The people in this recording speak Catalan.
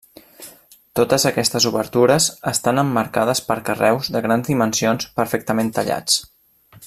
Totes aquestes obertures estan emmarcades per carreus de grans dimensions perfectament tallats.